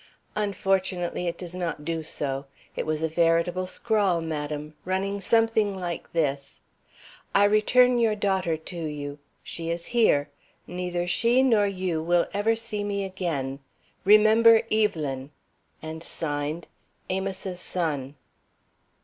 "Unfortunately, it does not do so. It was a veritable scrawl, madam, running something like this: 'I return your daughter to you. She is here. Neither she nor you will ever see me again. Remember Evelyn!' And signed, 'Amos's son.'"